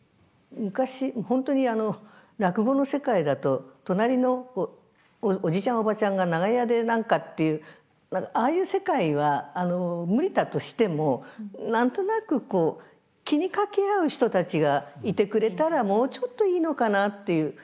昔本当にあの落語の世界だと隣のおじちゃんおばちゃんが長屋で何かっていうああいう世界は無理だとしても何となく気にかけ合う人たちがいてくれたらもうちょっといいのかなっていう。